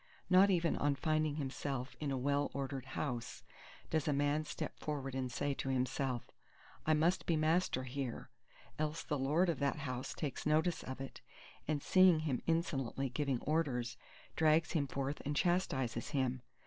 Not even on finding himself in a well ordered house does a man step forward and say to himself, I must be master here! Else the lord of that house takes notice of it, and, seeing him insolently giving orders, drags him forth and chastises him.